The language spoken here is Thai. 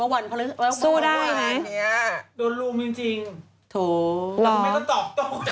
เราก็ไม่ต้องตอบต้น